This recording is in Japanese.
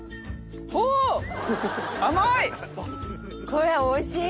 これおいしい！